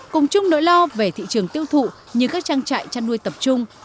cùng chung nỗi lo về thị trường tiêu thụ như các trang trại chăn nuôi tập trung